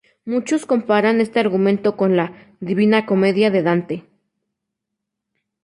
Muchos comparan este argumento con "La Divina Comedia" de Dante.